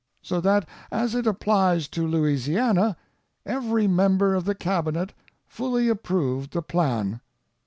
So that, as it applies to Louisiana, every member of the Cabinet fully approved the plan.